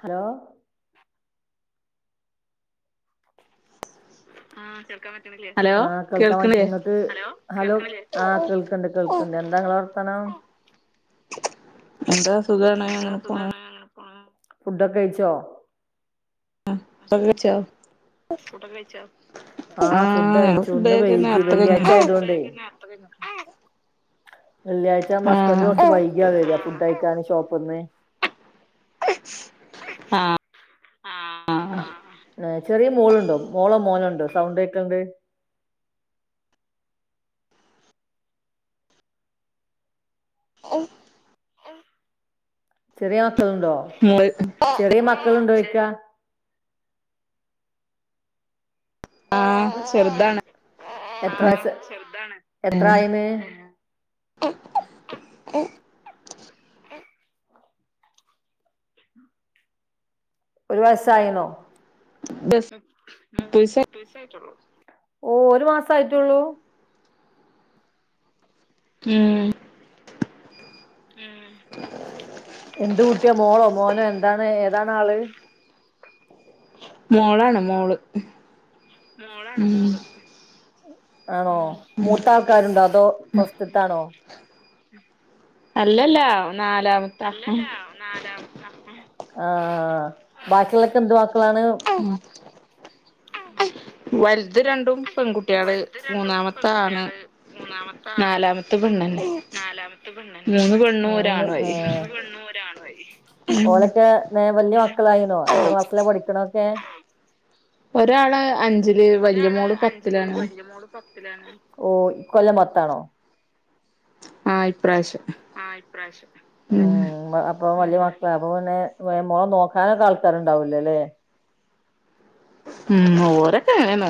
Hello ആ കേൾക്കാൻ പറ്റണില്ലേ ഹലോ ആഹ് കേൾക്കാൻ കേൾക്കണില്ലേ പറ്റ്ന്ന് ഇങ്ങണ്ട് ഹലോ ഹലോ ആഹ് കേൾക്കണുണ്ട് കേൾ [unintelligible] എന്താ ഇങ്ങളെ വർത്താനം എന്താ സുഖാണ് അങ്ങനെ പോണു ഉം ഫുഡൊക്കെ കഴിച്ചോ ആഹ് [unintelligible] കഴിച്ചോ ഫുഡൊക്കെ കഴിച്ചോ ആഹ് ഫുഡ് ഞങ്ങള് കഴിച്ചു ഇന്ന് ഫുഡൊക്കെ വെയ്കി നേരത്തെ വെള്ളിയാഴ്ച്ച കഴിഞ്ഞു ആയത് കൊണ്ടേ വെള്ളിയാഴ്ച മസ്‌ബൻ്റ് ആഹ് കുറച്ച് വൈകിയാ വരുകാ കയിക്കാന് ഷോപ്പ്ന്ന് ആഹ് ആഹ് ആ ചെറിയ മോളുണ്ടോ മോളോ മോനോുണ്ടോ സൗണ്ട്ക്കുണ്ട് ചെറിയ മക്കൾുണ്ടോ മോള് ചെറിയ മക്കളുണ്ടോ ചിക്ക ആ എത്ര എത്ര ആയിന്ന് ഒരു വയസായിനോ ബസ് ഓ ഒരു മാസം ആയിട്ടുള്ളൂ ഉം ഉം എന്ത് കൂട്ടിയാ മോളോ മോനോ എന്താണ് ഏതാണ് ആള് മോളാണ് മോള് മോളാണ് ഉം മോള് ആണോ മൂത്ത ആൾക്കാരുണ്ടോ അതോ ഫസ്സ്റ്റത്താണോ അല്ലല്ല നാലാമത്താ അല്ലല്ല നാലാമത്തെ ആബാക്കി ഉളൊക്കെ എന്തുവാ വലുത് രണ്ടും പെൺകുട്ടികള് മൂന്നാമത്ത ആണ് നാലാമത്തെ പെണ്ണ് മൂന്ന് പെണ്ണും ഒരു ആണും ഓളൊക്കെ വലിയ മക്കള് യിനോ എത്ര ക്ലാസ്സിലാ പഠിക്കണൊക്കെ ഒരാള് അഞ്ച് ഒരാള് അഞ്ചില് വലിയ മോള് പത്തിൽ ഓ ഈ കൊല്ലം പത്താണോ ആഹ് ഇപ്രാവശ്യം ആ ഈ പ്രാവശ്യത്തെ ഉം അപ്പൊ വലിയ മ അപ്പൊ പിന്നെ മോളെ നോക്കാനൊക്കെ ആൾക്കാര്ണ്ടാവൂല്ലേ ഉം ഓര്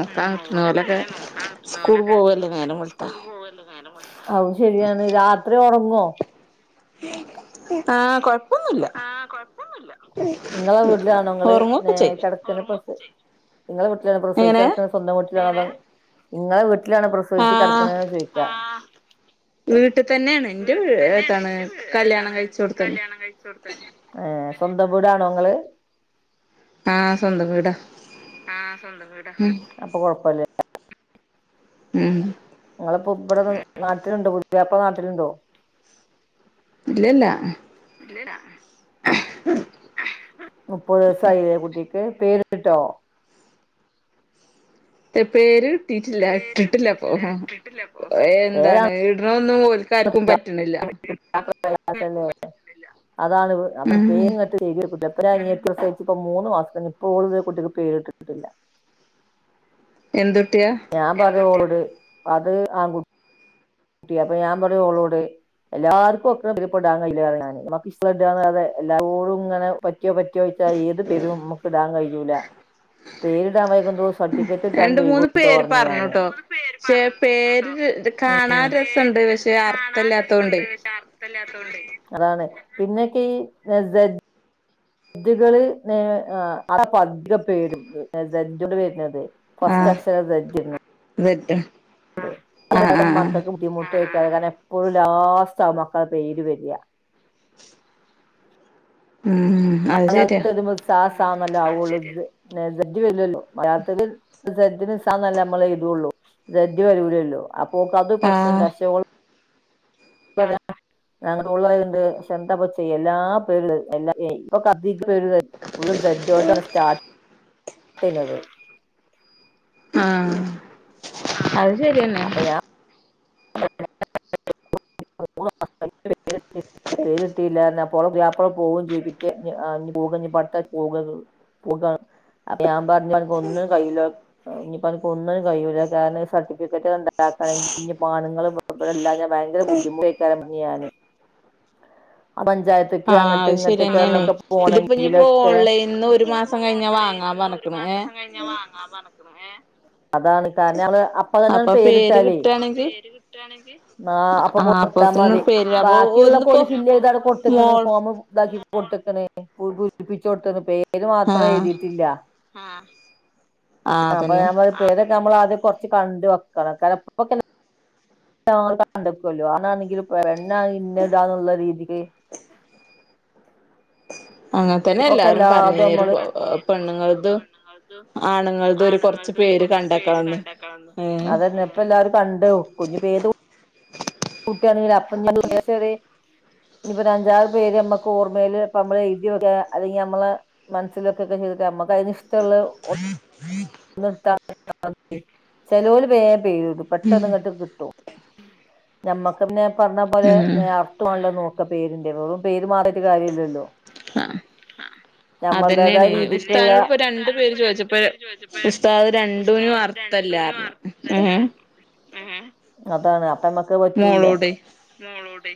ഉം രൊക്കെ എങ്ങനെ നോക്കാൻ കിട്ടുന്നത് സ്കൂൾ ഓരൊക്കെ പോവല്ലേ നേരം വെളുത്താ സ്കൂൾ പോവല്ല നേരം അത് ശരിയാണ് രാത്രി ഉറങ്ങോ [inaudible] ആഹ് കൊഴപ്പൊന്നുല്ല ആ കുഴപ്പെന്നുല്ല നിങ്ങളെ വീട്ടിലാണോ നിങ്ങള് ഉറങ്ങൊക്കെ ചെയ്യും കി [unintelligible] നിങ്ങളെ വീട്ടിലാ പ്രസിച്ചാ എങ്ങനെ കിടക്കുന്നത് സ്വന്തം വീട്ടിലാണോ നിങ്ങളെ വിട്ടിൽ വിട്ടിലാണോ പ്രസവിച്ച് കിടക്കുണേ ചോദിച്ച ആ ഉം വീട്ടിൽ തന്നെയാണ് എന്റെ കല്യാണം ഏതാണ് കഴിച്ചോടുത്താണ് കല്യാണം കഴിച്ച കൊടുത്ത ആ സ്വന്തം വീടാണോങ്ങള് ആ സ്വന്തം വീടാ ആ സ്വന്തം വീടാ ഉം അപ്പൊ കൊഴപ്പല്ലല്ലേ ഉം പ്പോ ഇവിടെ നാട്ടിലുണ്ടോ പുതിയാപ്പള നാട്ടിലുണ്ടോ ഇല്ലല്ല ഇല്ലടാ [inaudible] മുപ്പത് ദിവസ ആയില്ലേ കുട്ടിക്ക് പേര്ട്ടോ പേര് കിട്ടിട്ടില്ല ഇട്ടിട്ടില്ല പേരാണ് എന്താണ് ഇടണന്നും ഓൽ ഇവർക്കാർക്കും പറ്റണില്ല [unintelligible] അതാണ് ഉം പേര് ഇങ്ങ ട്ട് ട [unintelligible] ഒരു അനിയത്തി പ്രസവിച്ച് ഇപ്പം മൂന്ന് മാസ ഇപ്പോ ഓൾ കുട്ടിക്ക് പേരിട്ടിട്ടില്ല എന്ത്കു ഞാൻ പറഞ്ഞ് ഓളോട് അത് ആൺ കുട്ടിയാ അപ്പൊ ഞാൻ പറഞ്ഞ് ഓളോട് എല്ലാർക്കും ഒക്കണ പേര് ഇപ്പം ഇടാൻ കഴിയില്ല ഞമ്മക്കിഷ്ടമുള്ളത് ഇടാ അല്ലാതെ എല്ലാരോടും ഇങ്ങനെ [unintelligible] പറ്റിയോ പറ്റിയോ വെച്ച ഏത് പേരും നമുക്ക് ഇടാൻ കഴിയുല പേരിടാൻ വൈകന്തോ സർട്ടിക്കറ്റ് കിട്ടാൻ രണ്ട് മൂന്ന് വൈകുട്ടോന്ന് പേര് പറഞ്ഞു ഞാനാ പറഞ്ഞുട്ടോ രണ്ട് മൂന്ന് പേര് പക്ഷെ പറ പേര് ക പേര് കാണാ രസുണ്ട് പക്ഷെ അർഥല്ലാത്തോണ്ട് പിന്നെക്കെ ഈ [unintelligible] [unintelligible] ഫസ്റ്റ് അക്ഷരം [unintelligible] വെട്ട് [unintelligible] ഐക്കാരം എപ്പഴും ലാസ്റ്റ് അമ്മക്ക പേര് വരിയ ഉം അത് ശരിയാ മലയാളത്തിൽ വരുമ്പം സാസ് സ നല്ലേ അവൊള്ളൂ സെ സെഡ് വരില്ലല്ലോ മലയാളത്തില് സെഡ്ന് സാ നല്ലെ നമ്മളെ എുതുഒള്ളു സെഡ് വരൂലല്ലോ അപ്പൊക്ക്‌ അത് ആഹ് പ്രശ്നംണ്ട് അക്ഷരങ്ങ ഇപ്പം എന്താ ഞങ്ങുടെ ഉള്ളിണ്ട് ഷേ എന്താപ്പ ചെയ്യാ എല്ലാ പേരു എല്ലാതെയായി അധികം പേരും ഫുൾ സെഡ്കൊണ്ടാ സ്റ്റാർട്ട് ചെയ്യുന്നത് ആഹ് ആ അത് ശരിയന്നെ അപ്പൊഞാ [unintelligible] പേരിട്ടില്ല പറഞ്ഞ പ്പ ഓളെ വ്യാപ്പ പോകുംചെയ്തു ക്ക്‌ ഞ്ഞി ഞ്ഞി പോക അട്ത്ത ആഴ് പോകാന്ന് പോക്ആണ് അപ്പൊ ഞാൻ പറഞ്ഞുനക്ക് ഒനിന്നും കയ്യൂല ഇനിപ്പോ അനക്ക് ഒനിന്നും കയ്യൂല കാരണം സർട്ടിഫിക്കറ്റ് വാണ്ടേ ഞ്ഞിപ്പ ആണങ്ങളും ഇവ്ടെ ല്ലാഞ്ഞാൽ ഭയങ്കര ബു പ്പെകാരം ഇനിഞാന് ആ പഞ്ചായത്ത്ക്ക്‌ ആഹ് അങ്ങട്ട് അത് ഇങ്ങട്ട്ക്ക്‌ ശരിയന്നെയാണേ ഒക്കെ ഇതിപ്പോ ഇനിയിപ്പോ പോണെങ്കിലൊക്കെ ഓൺലൈനിന്ന് ഒരു മാസം കഴിഞ്ഞാ വാങ്ങാൻ ന്നാ ഒരു പറഞ്ഞിക്കണ് മാസം ഏഹ് സം കഴിഞ്ഞ വാങ്ങാ പറഞ്ക്കുണ് ഏ അതാണ് കാരണം അപ്പ അപ്പൊ തന്നെയങ്ങ് പേര് പേരിട്ടാലെ അപ്പം കിട്ടാണെങ്കി പേര് കിട്ടാണങ്കി ആ അപ്പം കൊ ആഹ് കൊത്താ അപ്പൊത്തിന് മതി പേര് അപ്പൊ ബാക്കിയുള്ള ഒന്നിപ്പോ ഓല് ഫില്ല് യ്ത് കൊടുത്ത്ക്ക്ണ് ‌ മോൾ ഫോമ് ഇതാക്കി കൊടുത്തക്ക്ണ് ‌ പുരിപ്പിച്ചു കൊടുത്തത് പേര് മാത്രം ആഹ് എഴുതിയിട്ടില്ല ആഹ് ആഹ് ആ അപ്പൊ അതന്നെ ഞാൻ പറയ പേരൊക്കെ നമ്മള് ആദ്യം കൊറച്ച് കണ്ട് വെക്കണം കാരണം ഇപ്പൊക്കെ എ കണ്ട്ക്ക്‌ല്ലോ അണാണെങ്കിലും പെണ്ണാണങ്കി ഇന്ന ഇടാന്നുള്ള രീതിക്ക് അങ്ങനെതന്നെ ഇപ്പൊക്കെ എല്ലാരും പറഞ്ഞെ എല്ലാതും ഒരു പെണ്ണുങ്ങള്ത് ആണുങ്ങള്ത് കൊറച്ച് പേര് കണ്ടക്കണംന്ന് കണ്ട്ക്കണം ഏ അതന്നെപ്പോ എല്ലരും കണ്ട് കുഞ്ഞു പേതു കുട്ടിയാണെങ്കിലും അപ്പ [unintelligible] ശെരി ഇനിപ്പൊ ഒര് അഞ്ചാറ് പേര് ഞമ്മക്ക് ഓർമയില് പ്പഞമ്മള് എഴുതിവെക്കാ അല്ലെങ്കി ഞമ്മളെ മനസ്സിലൊക്കെ തന്നെ എന്നിട്ട് ഞമ്മക്ക് അയിന്ന് ഇഷ്ട്ടഒള്ള [unintelligible] ചെലോല് വേം പേരിടും പെട്ടന്ന് ഇങ്ങട്ട് കിട്ടും ഞമ്മക്ക്‌ പിന്നെ പറഞ്ഞ പോലെ ഉം നേ അർത്ഥഒള്ളെ നോ ക്ക പേരിന്റെ വെറും പേര് മാറിട്ട് കാര്യല്ലല്ലോ ആ ഞമ്മൾടേതായ അതന്നെയാണ് രീതിക്കുള്ള ഉസ്താനോട് ഇപ്പൊ രണ്ടു പേര് ചോദിച്ചപ്പ ഉസ്താദ് രണ്ടുനും അർത്ഥല്ലാ റഞ്ഞു ഉം അതാണ് അപ്പമ്മക്ക് പറ്റൂല മോളോട് ഇങ്ങളോടെ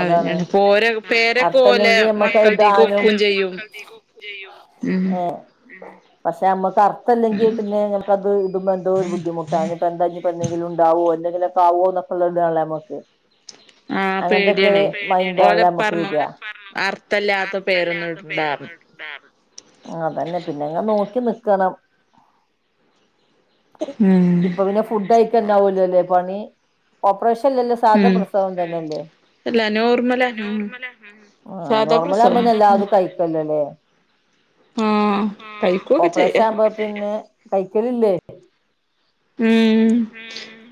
അതാണ് അതന്നെയാണ് ഇപ്പോ ഓരെ പേരൊക്കെ ഓലെ അർഥല്ലെങ്കി നമ്മക്ക്‌ അത് മക്കൾതീക്ക് ഇടാനും ഒക്കും ചെയ്യും [unintelligible] ഏ പഷേ അമ്മക്ക് അർ അതല്ലങ്കി പിന്നെ ഞമ്മക്കത് ഇട്മ്പോ എന്തോ ഒര് ബുദ്ധിമുട്ടാ ഇനിപ്പോ എന്താ ഇനിയിപ്പോ എന്തെങ്കിലും ഉണ്ടാവുവൊ എന്തെ എന്തേലൊക്കെ അവ്വൊ നൊക്കെ ഒള്ളല്ലെ നമ്മക്ക് ആ അങ്ങനത്തെക്കെ പേടിയാണേ മൈയിന്റ് ആണല്ലൊ ഞമ്മക്ക് ഓലെപ്പറഞ്ഞു വര്അ അർത്ഥല്ലാത്ത അർത്ഥം പേരൊന്നും ഇല്ലാത്ത പേര് ഒന്നും ഇടണ്ടാർഞ്ഞു ഇടണ്ട അതന്നെ പിന്നെങ്ങ് നോക്കി നി കണം ആഹ് ണ്ടാവൂലല്ലേ പണി ഓപ്പറേഷനല്ലല്ലൊ സാധാ ഉം പ്രസവം തന്നെല്ലേ അല്ല അല്ല നോർമലാ ഉം നോർമലാ ഉം ആ സാധാ നോർമലാമ്പോന്നെ പ്രസവന്നെ എല്ലാതും കഴിക്കലോലെ ആഹ് കഴിക്കുവൊക്കെ ഓപ്പറേഷൻ ചെയ്യാം ആകുമ്പോ പിന്നെ കഴിക്കലില്ലേ ഉം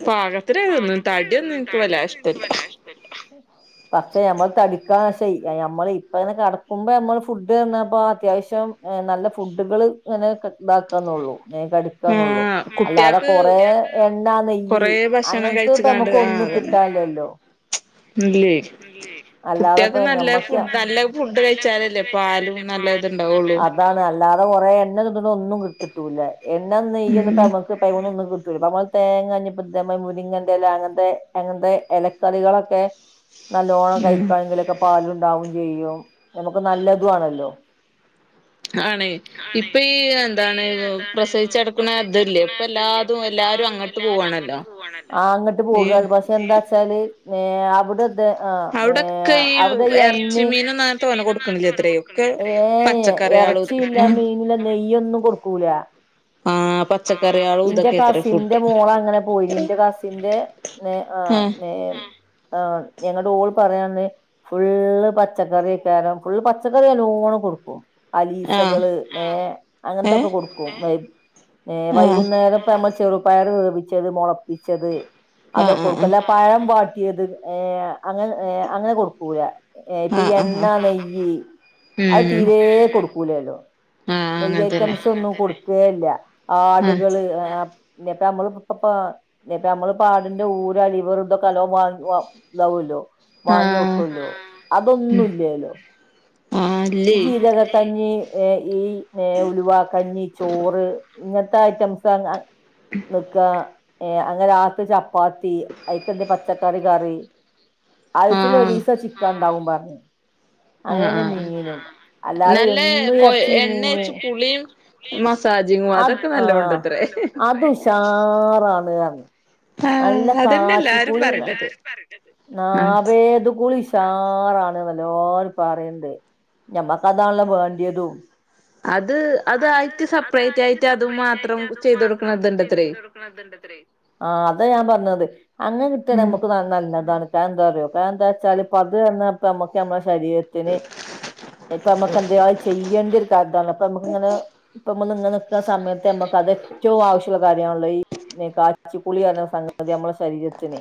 പാകത്തിന് തിന്നും തടിയൊന്നും പാകത്തിന്നും എനിക്ക് വല്ലാ തടൊന്നും ഇഷ്ടല്ല എനി വഷ്ടല്ല പക്ഷെ നമ്മൾ തടിക്കാ ശ നഞമ്മള് ഇപ്പ ഇങ്ങനെ കടക്കുമ്പോ നമ്മൾ ഫുഡ് തപ്പോ അത്യാവശ്യം നല്ല ഫുഡുകള് ഇതാക്കന്നള്ളൂ നടിക്കാന്നള്ള ആഹ് അല്ലാതെ കുട്ട്യാക്ക് കൊറെ എണ്ണ നെയ്യ് കൊറേ ഭക്ഷണം അങ്ങനത്തെ് നമുക്ക് ഒന്നും കിട്ടാലല്ലോ ഉ ഇല്ലേ കുട്ടികൾക്ക് അല്ലാതെപ്പോ നല്ല ഫു് ഞമ്മക്ക് നല്ല ഫുഡ് കഴിച്ചാലല്ലേ പാലും നല്ല ഇത്ണ്ടാവുള്ളൂ അതാണ് അല്ലാതെ കുറെേ എണ്ണ കിട്ടട്ട ഒന്നും കിട്ട കിട്ടൂല എണ്ണ നെയ്യൊന്ന് ഉം പ്പമക്ക് പയ്മന്നൊന്നും കിട്ടൂല. പമ്മ തേങ്ങഞ്പ്പം ധേമ മുരിങ്ങന്റെല അങ്ങൻത്തെ അങ്ങൻത്തെ എലക്കറികളൊക്കെ നല്ലോണം ഉം കഴിക്കാണെങ്കിലൊക്കെ പാലുണ്ടാവും ചെയ്യും. നമുക്ക് നല്ലതു ആണല്ലോ. ആണേ ആണേ ഇപ്പൊ ഈ ഇപ്പ ഈ എന്താണ് എന്താണ് പ്രസവിച്ചടക്ക്ണ ഇതില്ലേ പ്രസവിച്ചട്ക്ണ ഇപ്പൊ ഇത്ല്ലേ ഇപ്പ എല്ലാതും എല്ലാ എല്ലാരും തു അങ്ങട്ട് എല്ലാരും പോവാണല്ലോ അങ്ങട്ട് പോവാണല്ലോ ആ അങ്ങട്ട് ഈ പോവാണ് പക്ഷെ എന്താച്ചാല് ഹേ അവ്ടെ ആ അവിടൊക്കെ ഈ അവിടെ എറച്ചി മീനൊന്നും അങ്ങനെ തോനെ കൊടുക്ക്ണില്ലത്രേ ഒക്കെ പച്ചക്കറിയാളും എറച്ചില്ല, ഉം മീനുല്ല, നെയ്യൊന്നും കൊടുക്കൂല ആ പച്ചക്കറി ഇന്റെ കസിന്റെ മോള് അങ്ങനെ പോയിന് ഇന്റെ കസിന്റെ ആ നേരെ ആഹ് ഞങ്ങൾടെ ഓള് പർഞന്ന് ഫുള്ള് പച്ചക്കറികാരം ഫുള്ള് പച്ചക്കറി നല്ലോണം കൊട്ക്കും ആ അലീസകള് ഏ ഏ അങ്ങൻത്തെക്കെ കൊടുക്കും വൈ ഏ ആ വൈകുന്നേരം പ ചെറുപയറ് വേവിച്ചത്, മോളപ്പിച്ചത്, ആ അതൊക്കെ ആ കൊടുക്കും ആ അല്ലാതെ പഴം വാ ട്ടിയത് ഏ അങ്ങ അങ്ങനെ കൊട്ക്കൂല ഏ ഇപ്പ ആ ആ ആ എണ്ണ, നെയ്യ്, അത് ഉം തീരെ കൊടുക്കൂല ഓല് ആ നെയ്യ അങ്ങനെ തന്നെ ഐറ്റംസ് ഒന്നും കൊട്ക്കെ ഇല്ല ആ ആട്കള്, ആഹ് ഇന്നപ്പ നമ്മള് ഇപ്പപ്പ ഇപ്പ നമ്മള് ആടിന്റെ ഊര, ലിവറ്, ഇതൊക്കെ നല്ലോം വാങ്ങി ഇതാവല്ലോ ആ വാങ്ങി വെക്കൊല്ലോ അതൊന്നുംല്ലോല്ലോ ആ ഈ ഇല്ലേ ജീരക കഞ്ഞി ഏ ഈ ഉലുവ കഞ്ഞി, ചോറ്, ഇങ്ങൻത്തെ ഐറ്റംസ് അങ്ങ ന്ന്ക്കാ ഏ ആക്ക് ചപ്പാത്തി, ഐയ്ക്ക് ഇന്ന് പച്ചക്കറി കറി ആഴ്ച്ചീല് ഒരീസം ചിക്കന് ഇണ്ടാവും പർ ആഹ് ആഹ് അല്ലാതെ നല്ല എന്നും കൊ എറച്ചി എണ്ണ മീന് ഒഴിച്ച് പുളിയും മസാ അത് ആഹ് അത് ഉഷാറാണ് പർഞ് ആ നല്ല അതന്നെ എല്ലാരും കാച്ചിക്കുളി പറയണത് ആ നാഭേദ് കുളി ചാറാണ് എല്ലാരും പറീണ്ട് ഞമ്മക്കതാണല്ലോ വാണ്ട്യതും ഉ [inaudible] അത് അതായിട്ട് സെപ്പറേറ്റ് ആയിട്ട് അത് മാത്രം ചെയ്തൊടുക്കണത്ണ്ട്ത്രേ ആ അതാ ഞാൻ പറഞ്ഞത് അങ്ങനെ കിട്ടിയ ഉം നമുക്ക് നല്ലതാണ് ക എന്താ പറയോ ക എന്താ വച്ചാ ഇപ്പ അത് തന്ന നമ്മക്ക നമ്മ- ശരീരത്തിന് ഇപ്പ നമുക്ക് എന്തും ചെയ്യേണ്ട ഒരു കാ [unintelligible] ര് അപ്പ നമക്ക് ഇങ്ങനെ നമ്മ നിങ്ങണ നിക്കുന്ന സമയത്ത് നമക്ക് അത് ഏറ്റവും ആവശ്യമുള്ള കാര്യമാണല്ലോ ഈ കാച്ചിക്കുളി- സംഗതി നമ്മള് ശരീരത്തിന്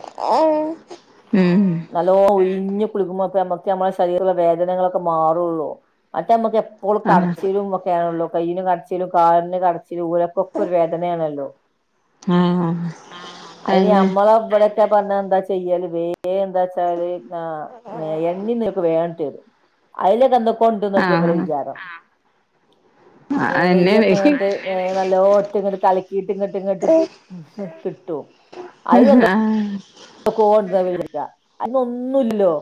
ഉം നല്ലോണം ഉഴിഞ്ഞു- കുളിക്ക് പൊ അമർത്തി നമ്മെടെ ശരീരത്തിലുള്ള വേദനങ്ങളൊക്കെ മാറുള്ളൂ മറ്റേ നമ്മക്ക് ഇപ്പോൾ ആഹ് കടച്ചിലും ഒക്കെയാണല്ലോ കൈയിനു കടച്ചിലും കാലിനു കടച്ചിലും ഉരൊക്കെക്കെ ഒരു വേദനയാണല്ലോ ആഹ് അതിനി അയെന്നെ നമ്മള് [unintelligible] കറക്റ്റ് ആ പറഞ്ഞാ എന്താ ചെയ്യാല് വേതന എന്താച്ചാല് എണ്ണയെ നെയ്യും വേണ്ടി വരും അയിലോക്കെ എന്തോ കൊണ്ടു നോക്കിയ വിചാരോ ഉ [inaudible] ഏ നെയ്യൊക്കെ ഇങ്ങോട്ട് നല്ലോട്ട ഇങ്ങോട്ട് കലക്കിയിട്ട് ഇങ്ങോട്ട് ഇങ്ങോട്ട്- കിട്ടുവോ ഹ് ആ നമ്മക്ക് ഓട് ഇടുന്ന വീടില്ല അന്ന് ഒന്നുമില്ലല്ലോ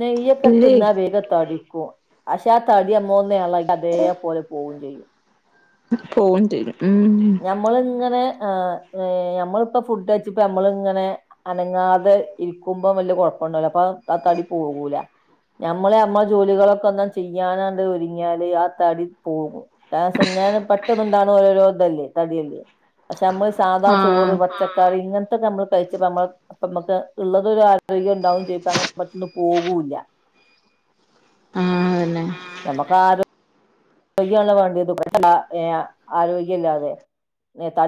നെയ്യ് ഒക്കെ ഇല്ലേ തിന്നാ വേഗം തടി- പക്ഷെ തടി നമ്മോയൊന്ന് ഇളകിയാൽ അതേപോലെ പോകുകയും ചെയ്യും പോവും ചെയ്യും ഉം ഞമ്മളിങ്ങനെ ആ നമ്മളിപ്പ ഫുഡ് കഴിച്ചിപ്പ നമ്മളിങ്ങനെ അനങ്ങാതെ ഇരിക്കുമ്പം വലിയ കുഴപ്പണ്ടവില്ല അപ്പൊ ആ തടി പോകൂല ഞമ്മളെ അമ്മ ജോലികളൊക്കെ ഒന്നും ചെയ്യാനാണ്ട് ഒരുങ്ങിയങ്ങാല് ആ തടി പോകും ഞാന് പെട്ടെന്ന് ഉണ്ടാകുന്ന ഓരോ രോല്ലേ തടയല്ലേ നമ്മള് സാധാ ചോറ് ആഹ് പച്ചക്കറി ഇങ്ങനത്തൊക്കെ നമ്മള് കഴി- മ്മ നമ്മുക്ക് ഉള്ളതൊരു ആരോഗ്യം ഉണ്ടാവും ചെയ്യും അങ്ങനെ പെട്ടന്ന് പോവൂല്ല ആ അതന്നെ കൊയ്യാണ വേണ്ടിയത് ആരോഗ്യല്ലാതെ തടി